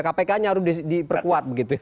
kpk nya harus diperkuat begitu ya